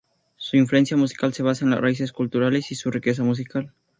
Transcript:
Su influencia musical se basa en las raíces culturales y su riqueza musical.